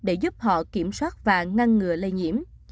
để giúp họ kiểm soát và ngăn ngừa lây nhiễm